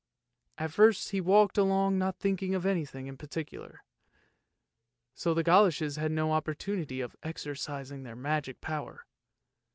At first he walked along not thinking of anything in particular, so the goloshes had no opportunity of exercising their magic power.